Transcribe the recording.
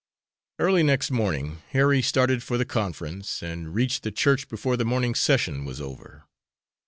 Early next morning Harry started for the conference, and reached the church before the morning session was over.